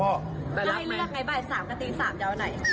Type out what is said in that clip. ก็ให้เรียกไหนบ่าย๓กับตี๓ยาวไหน